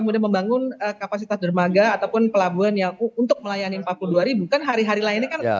kemudian membangun kapasitas dermaga ataupun pelabuhan yang untuk melayani empat puluh dua ribu kan hari hari lainnya kan